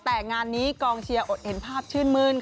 แต่งานนี้กองเชียร์อดเห็นภาพชื่นมื้น